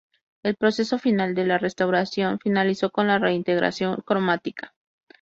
El proceso final de la restauración finalizó con la reintegración cromática.